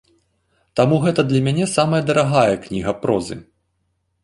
Таму гэта для мяне самая дарагая кніга прозы.